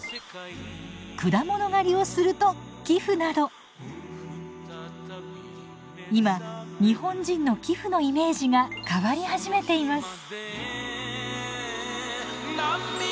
果物狩りをすると寄付など今日本人の寄付のイメージが変わり始めています。